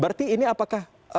berarti ini apakah